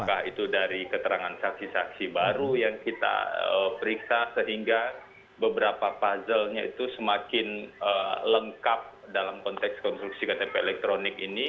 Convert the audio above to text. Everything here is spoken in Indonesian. apakah itu dari keterangan saksi saksi baru yang kita periksa sehingga beberapa puzzle nya itu semakin lengkap dalam konteks konstruksi ktp elektronik ini